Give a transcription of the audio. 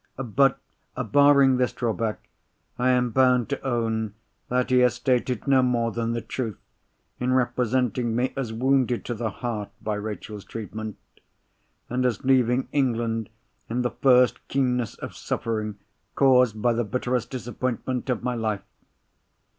But, barring this drawback, I am bound to own that he has stated no more than the truth in representing me as wounded to the heart by Rachel's treatment, and as leaving England in the first keenness of suffering caused by the bitterest disappointment of my life.